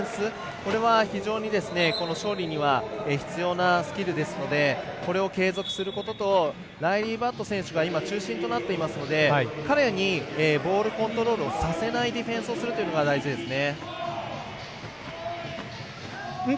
これは、非常に勝利には必要なスキルですのでこれを継続することとライリー・バット選手が今、中心となっていますので彼にボールコントロールをさせないディフェンスをするというのが大事ですね。